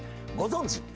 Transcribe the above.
ご存じ